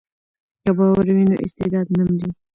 که باور وي نو استعداد نه مري.